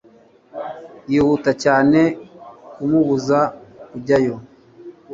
yihuta cyane kumubuza kujyayo